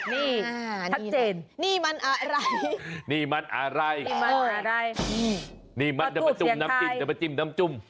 นี่ชัดเจนนี่มันอะไรนี่มันอะไรนี่มันอะไรนี่มันจะมาจุ่มน้ำจิ้มจะมาจิ้มน้ำจุ่ม